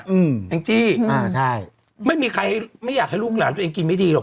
อืมแองจี้อ่าใช่ไม่มีใครไม่อยากให้ลูกหลานตัวเองกินไม่ดีหรอก